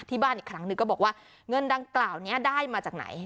บ้านอีกครั้งหนึ่งก็บอกว่าเงินดังกล่าวนี้ได้มาจากไหน